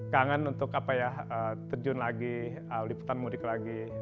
kangen untuk apa ya terjun lagi liputan mudik lagi